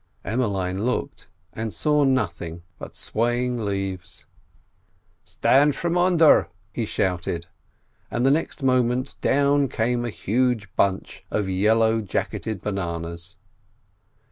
Emmeline looked, and saw nothing but swaying leaves. "Stand from under!" he shouted, and next moment down came a huge bunch of yellow jacketed bananas.